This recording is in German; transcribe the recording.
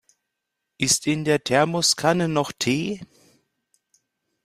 Ist in der Thermoskanne noch Tee?